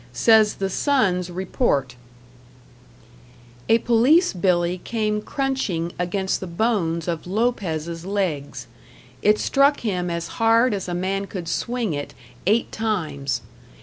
Says the "Sun's" report: A police billy came crunching against the bones of Lopez's legs. It struck him as hard as a man could swing it eight times.